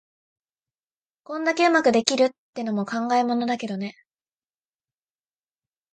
こんだけ上手くできるってのも考えものだけどね。